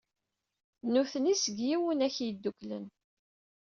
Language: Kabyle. Nitni seg Yiwunak Yeddukklen.